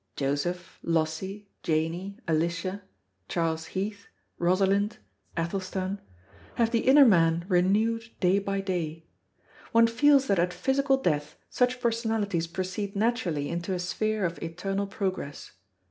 Joseph, Lossie, Janey, Alicia, Charles Heath, Rosalind, Athelstan, have the inner man renewed day by day; one feels that at physical death such personalities proceed naturally into a sphere of eternal progress.